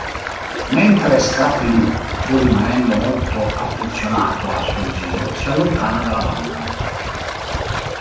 Mentre Scrappy Doo, pur rimanendo molto affezionato a suo zio, si allontana dalla banda.